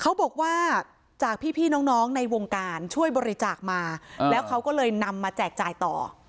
เขาบอกว่าจากพี่น้องในวงการช่วยบริจาคมาแล้วเขาก็เลยนำมาแจกจ่ายต่อ